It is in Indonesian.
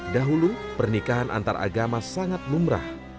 dahulu pernikahan antaragama sangat numrah